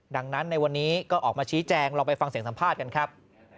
ดังนั้นในวันนี้ก็ออกมาชี้แจงเราไปฟังเสียงสัมภาษณ์กันครับ